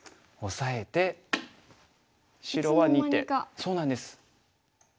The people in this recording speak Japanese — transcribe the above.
そうなんです。